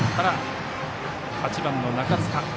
８番の中塚。